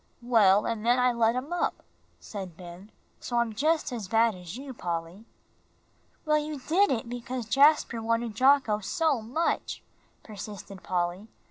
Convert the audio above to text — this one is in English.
"Well, and then I let him up," said Ben, "so I'm just as bad as you, Polly." "Well, you did it because Jasper wanted Jocko so much," persisted Polly.